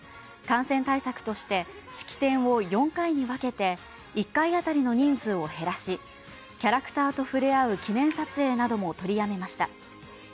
感染対策として式典を４回に分けて１回あたりの人数を減らしキャラクターと触れあう記念撮影なども取りやめました。